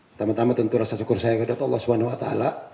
pertama tama tentu rasa syukur saya kepada tuhan allah subhanahu wa ta'ala